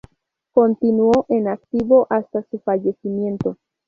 Continuó en activo hasta su fallecimiento.